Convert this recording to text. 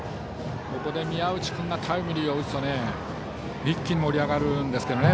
ここで宮内君がタイムリーを打つと一気に盛り上がるんですけどね。